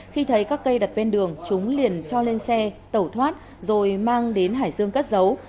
khi thấy các cây đặt ven đường chúng liền cho lên xe tẩu thoát rồi mang đến hải dương cất giấu